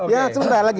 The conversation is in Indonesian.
ya sebentar lagi